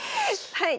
はい。